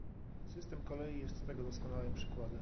System kolei jest tego doskonałym przykładem